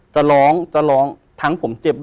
จะร้องจะร้อง